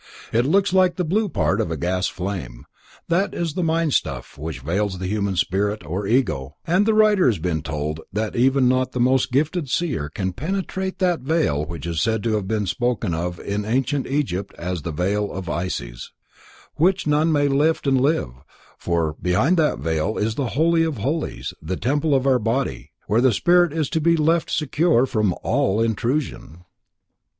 It looks like the blue part of a gas flame. That is mind stuff which veils the human spirit, or Ego, and the writer has been told that not even the most gifted seer can penetrate that veil which is said to have been spoken of in ancient Egypt as "the veil of Isis" which none may lift and live, for behind that veil is the Holy of Holies, the temple of our body, where the spirit is to be left secure from all intrusion.